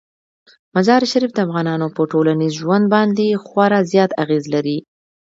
مزارشریف د افغانانو په ټولنیز ژوند باندې خورا زیات اغېز لري.